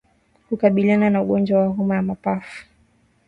Kukabiliana na ugonjwa wa homa ya mapafu